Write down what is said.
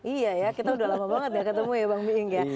iya ya kita udah lama banget ya ketemu ya bang biing ya